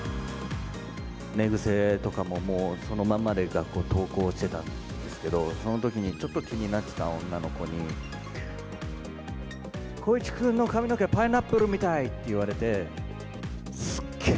寝癖とかも、もうそのままで、学校、登校してたんですけど、そのときにちょっと気になってた女の子に、光一君の髪の毛、パイナップルみたいって言われて、すっげー